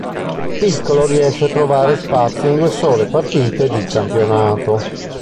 Piccolo riesce a trovare spazio in due sole partite di campionato.